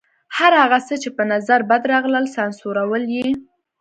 هر هغه څه چې په نظر بد راغلل سانسورول یې.